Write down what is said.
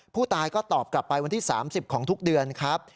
ผู้ตายก็ตอบกลับไปวันที่๓๐ของทุกเดือนครับ